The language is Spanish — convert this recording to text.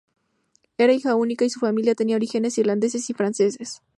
Era hija única, y su familia tenía orígenes irlandeses y franceses.